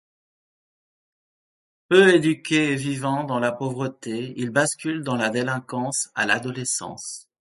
Peu éduqué et vivant dans la pauvreté, il bascule dans la délinquance à l'adolescence.